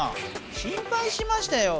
心配しましたよ。